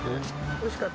おいしかった。